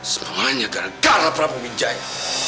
semuanya karena prabu minjaya